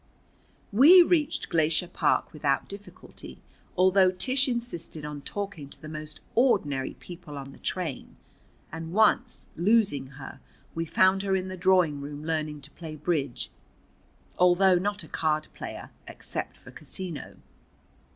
We reached Glacier Park without difficulty, although Tish insisted on talking to the most ordinary people on the train, and once, losing her, we found her in the drawing room learning to play bridge, although not a card player, except for casino.